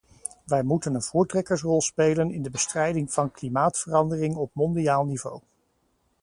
Wij moeten een voortrekkersrol spelen in de bestrijding van klimaatverandering op mondiaal niveau.